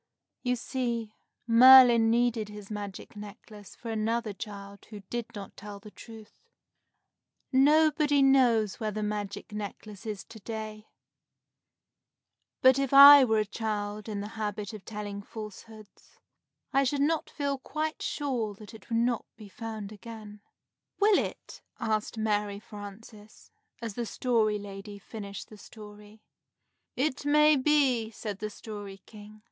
You see, Merlin needed his magic necklace for another child who did not tell the truth. Nobody knows where the magic necklace is to day; but if I were a child in the habit of telling falsehoods, I should not feel quite sure that it would not be found again. "Will it?" asked Mary Frances, as the Story Lady finished the story. "It may be," said the Story King.